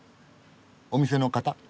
お店の方？